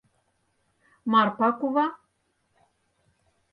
— Марпа кува?!